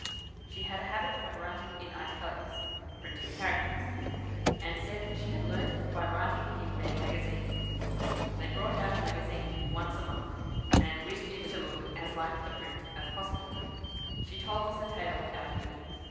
She had a habit of writing in italics (printing characters), and said she had learnt it by writing in their magazine. They brought out a 'magazine' once a month, and wished it to look as like print as possible. She told us a tale out of it.